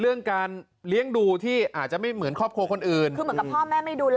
เรื่องการเลี้ยงดูที่อาจจะไม่เหมือนครอบครัวคนอื่นคือเหมือนกับพ่อแม่ไม่ดูแล